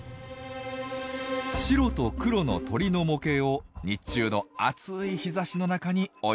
白と黒の鳥の模型を日中の暑い日ざしの中に置いておきます。